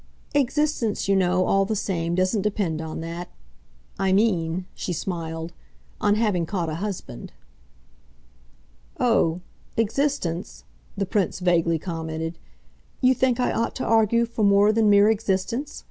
"Existence, you know, all the same, doesn't depend on that. I mean," she smiled, "on having caught a husband." "Oh existence!" the Prince vaguely commented. "You think I ought to argue for more than mere existence?"